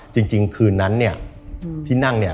จริงคืนนั้นเนี่ยที่นั่งเนี่ย